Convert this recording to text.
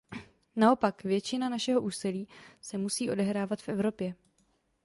Naopak, většina našeho úsilí se musí odehrávat v Evropě.